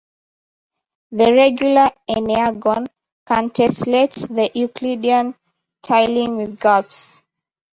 The regular enneagon can tessellate the euclidean tiling with gaps.